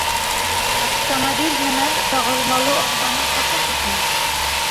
Автомобиль менән тағылмалы арбаның хаҡы күпме?